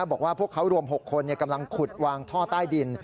บอกว่าพวกเขารวม๖คนกำลังขุดวางท่อใต้ดิน